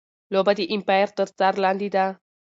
لوبه د ایمپایر تر څار لاندي ده.